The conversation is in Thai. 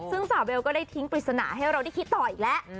ซึ่งสาวเบลก็ได้ทิ้งปริศนาให้เราได้คิดต่ออีกแล้ว